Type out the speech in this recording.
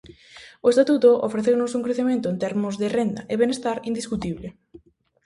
O Estatuto ofreceunos un crecemento en termos de renda e benestar indiscutible.